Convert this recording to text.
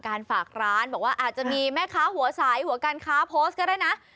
ฝากร้านบอกว่าอาจจะมีแม่ค้าหัวสายหัวการค้าโพสต์ก็ได้นะ